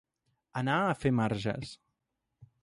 Anar a fer marges.